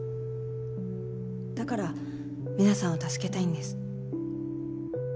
だから皆さんを助けたいんです。